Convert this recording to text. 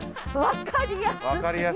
分かりやすい。